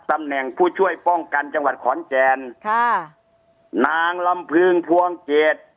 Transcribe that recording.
ตำแหน่งผู้ช่วยป้องกันจังหวัดขอนแก่นค่ะนางลำพึงภวงเกต